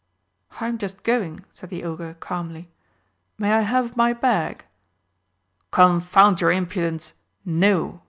"I'm just going," said the Ogre calmly. "May I have my bag?" "Confound your impudence, no!"